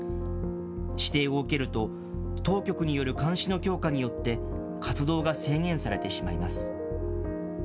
指定を受けると、当局による監視の強化によって、活動が制限されてしまいます。